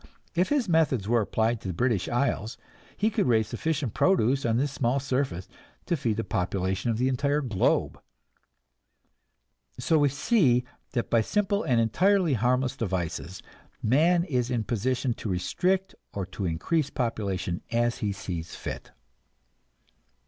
If his methods were applied to the British Isles, he could raise sufficient produce on this small surface to feed the population of the entire globe. So we see that by simple and entirely harmless devices man is in position to restrict or to increase population as he sees fit.